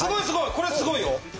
これすごいよ！